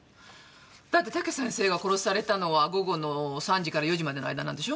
だって武先生が殺されたのは午後の３時から４時までの間なんでしょ？